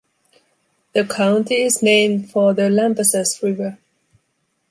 The county is named for the Lampasas River.